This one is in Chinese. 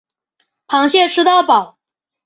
螃蟹吃到饱